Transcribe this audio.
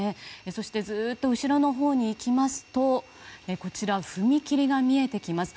そして、ずっと後ろのほうに行きますとこちら、踏切が見えてきます。